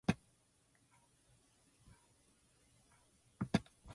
Fondant was added for texture and marshmallows were added to provide a soft bite.